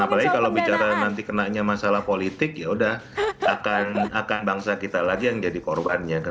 dan apalagi kalau bicara nanti kenanya masalah politik yaudah akan bangsa kita lagi yang jadi korbannya